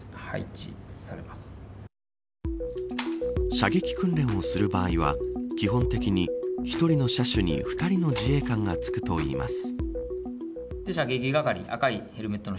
射撃訓練をする場合は基本的に、１人の射手に２人の自衛官がつくといいます。